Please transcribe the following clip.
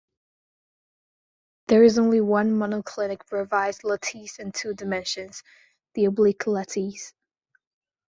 There is only one monoclinic Bravais lattice in two dimensions: the oblique lattice.